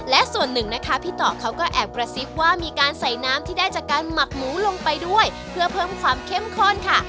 และส่วนหนึ่งนะคะพี่ต่อเขาก็แอบกระซิบว่ามีการใส่น้ำที่ได้จากการหมักหมูลงไปด้วยเพื่อเพิ่มความเข้มข้นค่ะ